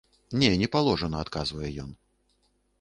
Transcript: Не, не паложана, адказвае ён.